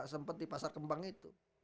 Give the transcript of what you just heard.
sempat di pasar kembang itu